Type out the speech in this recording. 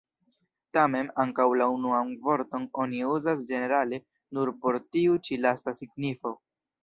Tamen, ankaŭ la unuan vorton oni uzas ĝenerale nur por tiu ĉi lasta signifo.